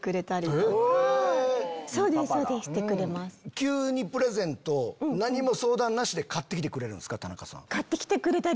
急にプレゼント何も相談なしで買って来てくれるんですか？